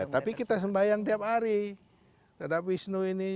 tapi kita sembahyang tiap hari terhadap wisnu ini